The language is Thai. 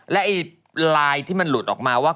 และไลน์ที่มันหลุดออกมาว่า